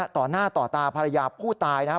ต่อหน้าต่อตาภรรยาผู้ตายนะครับ